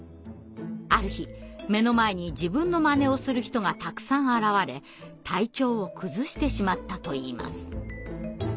ある日目の前に自分の真似をする人がたくさん現れ体調を崩してしまったといいます。